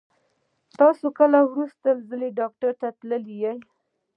تاسو کله وروستی ځل ډاکټر ته تللي وئ؟